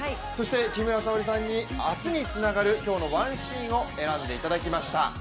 木村沙織さんに、明日につながる今日のワンシーンを選んでいただきました。